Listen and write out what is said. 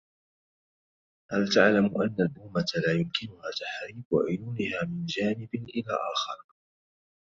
هل تعلم أن البومة لايمكنها تحريك عيونها من جانب إلى آخر.